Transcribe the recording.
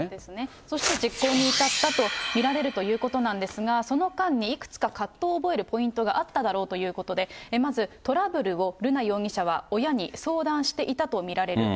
そして実行に至ったと見られるということなんですが、その間にいくつか葛藤を覚えるポイントがあっただろうということで、まず、トラブルを瑠奈容疑者は親に相談していたと見られると。